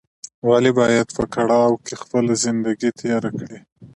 ولې باید په کړاوو کې خپله زندګي تېره کړې